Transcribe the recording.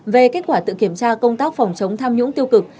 về kết quả tự kiểm tra công tác phòng chống tham nhũng tiêu cực